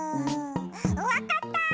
わかった！